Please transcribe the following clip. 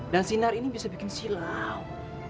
dan sinar ini bisa bikin silau